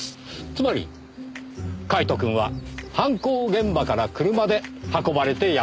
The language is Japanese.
つまりカイトくんは犯行現場から車で運ばれてやって来た。